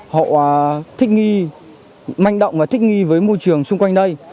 họ thích nghi manh động và thích nghi với môi trường xung quanh đây